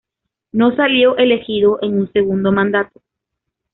No salió elegido en un segundo mandato.